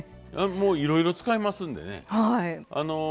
もういろいろ使えますんでね